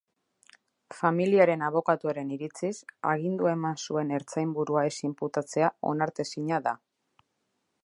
Familiaren abokatuaren iritziz, agindua eman zuen ertzainburua ez inputatzea onartezina da.